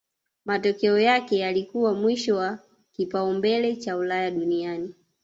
Matokeo yake yalikuwa mwisho wa kipaumbele cha Ulaya duniani